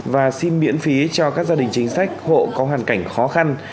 và xin miễn phí cho các gia đình chính sách hộ có hoàn cảnh khó khăn